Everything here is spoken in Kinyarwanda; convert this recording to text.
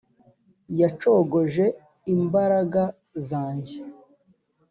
yacogoje imbaraga zanjye